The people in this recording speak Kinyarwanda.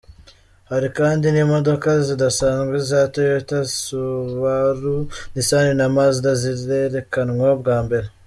Hari kandi n’imodoka zidasanzwe za Toyota, Subaru, Nissan na Mazda zizerekanwa bwa mbere.